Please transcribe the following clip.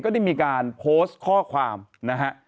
ได้มีการโพสต์ข้อความนะฮะ